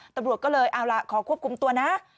ตำรวจก็เลยเอาล่ะขอควบคุมตัวนะ